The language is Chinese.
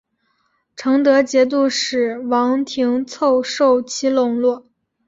成德节度使王廷凑受其笼络。